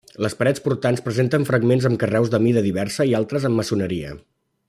Les parets portants presenten fragments amb carreus de mida diversa i altres amb maçoneria.